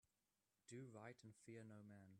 Do right and fear no man.